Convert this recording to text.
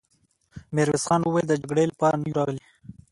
ميرويس خان وويل: د جګړې له پاره نه يو راغلي!